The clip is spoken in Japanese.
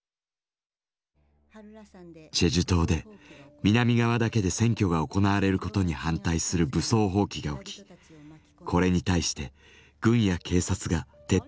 チェジュ島で南側だけで選挙が行われることに反対する武装蜂起が起きこれに対して軍や警察が徹底的に弾圧。